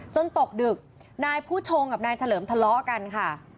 ตกดึกนายผู้ชงกับนายเฉลิมทะเลาะกันค่ะ